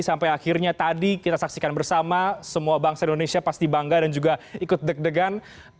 sampai akhirnya tadi kita saksikan bersama semua bangsa indonesia pasti bangga dan juga ikut deg degan